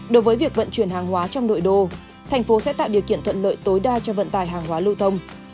đối với việc vận chuyển hàng hóa trong nội đô thành phố sẽ tạo điều kiện thuận lợi tối đa cho vận tải hàng hóa lưu thông